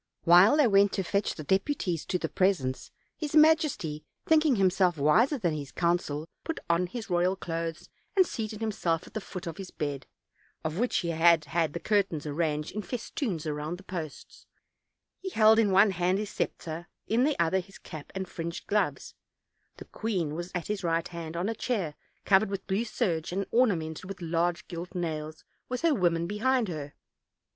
While they went to fetch the deputies to the presence, his majesty, thinking himself wiser than his council, put on his royal clothes, and seated himself at the foot of his bed, of which he had had the curtains arranged in fes toons around the posts; he held in one hand his scepter, in the other his cap and fringed gloves; the queen was at his right hand, on a chair covered with blue serge and ornamented with large gilt nails, with her women behind her.